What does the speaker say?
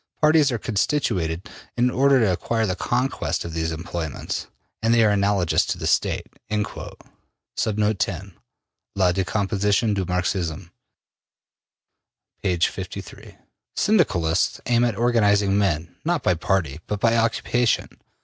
Parties are constituted in order to acquire the conquest of these employments, and they are analogous to the State.'' La Decomposition du Marxisme,'' p. 53. Syndicalists aim at organizing men, not by party, but by occupation.